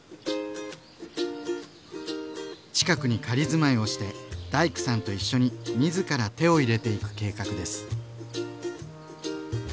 近くに仮住まいをして大工さんと一緒に自ら手を入れていく計画です。